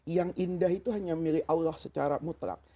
yang indah itu hanya milik allah secara mutlak